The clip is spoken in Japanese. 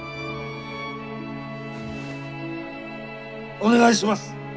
お願いします。